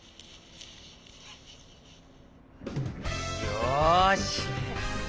よし。